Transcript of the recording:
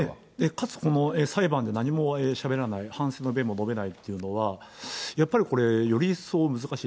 かつ裁判で何もしゃべらない、反省の弁も述べないというのは、やっぱり、これより一層難しい。